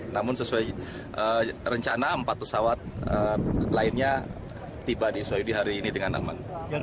namun sesuai rencana empat pesawat lainnya tiba di saudi hari ini dengan aman